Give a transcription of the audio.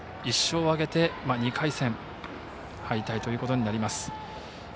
１勝を挙げて２回戦敗退ということになります。